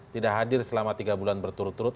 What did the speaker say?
tidak hadir selama tiga bulan berturut turut